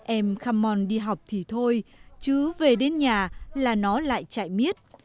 em kham mon đi học thì thôi chứ về đến nhà là nó lại chạy miết